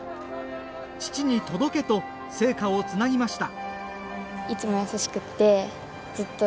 父に届けと聖火をつなぎました。